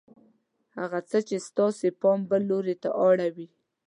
هغه څه چې ستاسې پام بل لور ته اړوي